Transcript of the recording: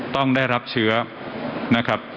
ต้องได้รับเชื้อนะครับ